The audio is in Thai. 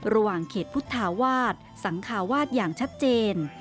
ระหว่างเขตพุทธาวาสสังคาวาสอย่างชัดเจน